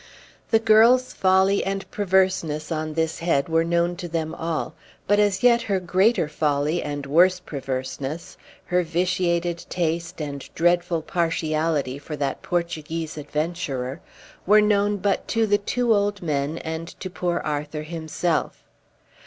The girl's folly and perverseness on this head were known to them all, but as yet her greater folly and worse perverseness, her vitiated taste and dreadful partiality for the Portuguese adventurer, were known but to the two old men and to poor Arthur himself.